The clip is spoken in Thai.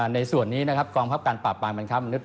ในส่วนนี้นะครับกองทัพการปราบปรามมันข้ามมนุษย